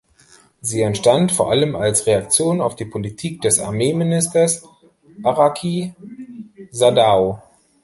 Sie entstand vor allem als Reaktion auf die Politik des Armee-Ministers Araki Sadao.